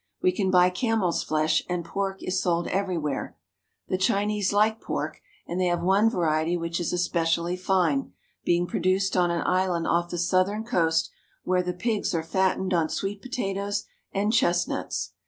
We can buy camel's flesh, and pork is sold everywhere. The Chinese like pork, and they have one variety which is especially fine, being produced on an island off the southern coast where the pigs are fattened on sweet potatoes and chestnuts.